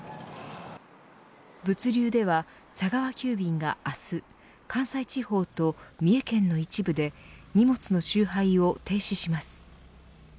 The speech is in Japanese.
物流では、佐川急便が明日関西地方と三重県の一部で荷物の集配を停止します。